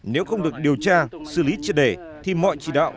nếu không được điều tra xử lý triệt đề thì mọi chỉ đạo